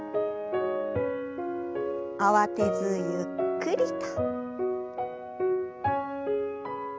慌てずゆっくりと。